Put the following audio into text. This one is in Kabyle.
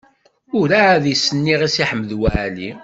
Ur ɛad i s-nniɣ i Si Ḥmed Waɛli.